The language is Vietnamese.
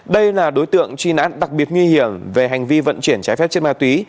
đây là đối tượng truy nãn đặc biệt nguy hiểm về hành vi vận chuyển trái phép chất ma túy